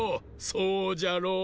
そうじゃろう。